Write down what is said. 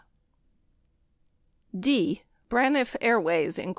D. Braniff Airways, Inc.